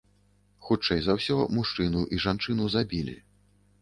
Хутчэй за ўсё, мужчыну і жанчыну забілі.